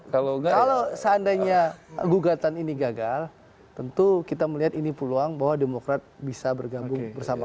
kalau seandainya gugatan ini gagal tentu kita melihat ini peluang bahwa demokrat bisa bergabung bersama